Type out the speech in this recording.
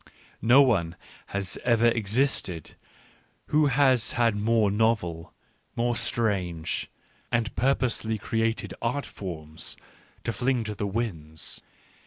No one has ever existed who has had more novel, more strange, and purposely created art forms to fling to the winds.